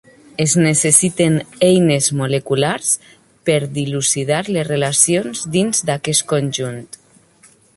Es necessiten eines moleculars per dilucidar les relacions dins d'aquest conjunt.